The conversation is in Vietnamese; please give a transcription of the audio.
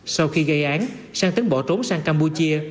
sau khi gây án sang tính bỏ trốn sang campuchia